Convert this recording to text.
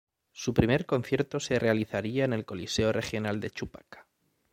Su primer concierto se realizaría en el Coliseo Regional de Chupaca.